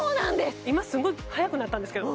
今すごい速くなったんですけど